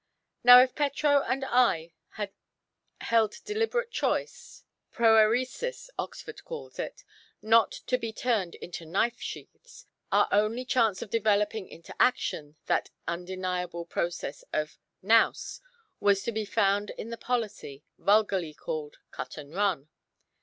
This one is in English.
Now if Petro and I held deliberate choice "proairesis" Oxford calls it not to be turned into knife sheaths, our only chance of developing into action that undeniable process of "nous," was to be found in the policy, vulgarly called "cut and run."